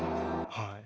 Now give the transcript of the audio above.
はい。